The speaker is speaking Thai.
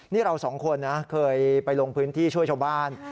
นี่เราสองคนนะเคยไปลงพื้นที่ช่วยชาวบ้าน